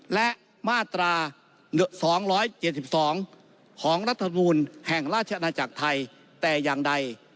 และมาตรา๒๗๒ของรัฐธรรมนูลแห่งราชอาณาจักรไทยแต่อย่างใด